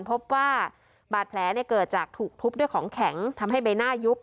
พบว่าบาดแผลเกิดจากถูกทุบด้วยของแข็งทำให้ใบหน้ายุบ